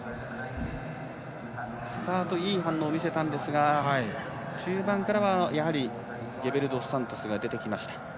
スタートいい反応を見せましたが中盤からは、やはりゲベルドスサントスが出てきました。